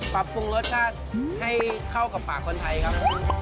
ปรับปรุงรสชาติให้เข้ากับปากคนไทยครับ